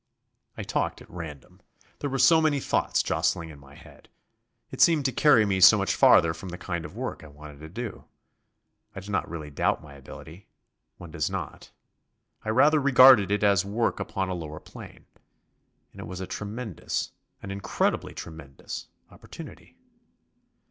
I talked at random. There were so many thoughts jostling in my head. It seemed to carry me so much farther from the kind of work I wanted to do. I did not really doubt my ability one does not. I rather regarded it as work upon a lower plane. And it was a tremendous an incredibly tremendous opportunity.